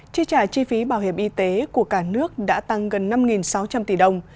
chi trả chi phí bảo hiểm y tế của cả nước đã tăng gần năm sáu trăm linh tỷ đồng